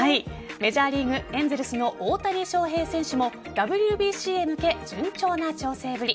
メジャーリーグエンゼルスの大谷翔平選手もＷＢＣへ向け順調な調整ぶり。